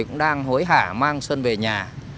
cũng đang hối hả mang xuân về nhà